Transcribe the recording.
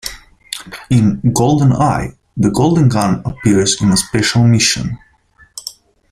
In "GoldenEye", the Golden Gun appears in a special mission.